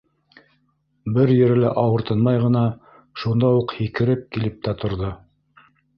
Бер ере лә ауыртынмай ғына шунда уҡ һикереп килеп тә торҙо.